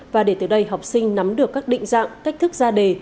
và để từ đây học sinh nắm được các định dạng cách thức ra đề